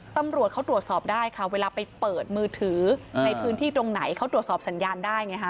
ตำรวจเขาตรวจสอบได้ค่ะเวลาไปเปิดมือถือในพื้นที่ตรงไหนเขาตรวจสอบสัญญาณได้ไงฮะ